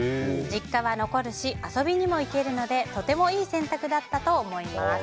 実家は残るし遊びにも行けるのでとてもいい選択だったと思います。